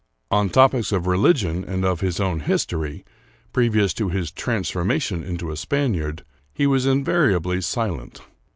On topics of religion and of his own history, previous to his transformation into a Spaniard, he was invariably silent.